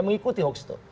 mengikuti hoax itu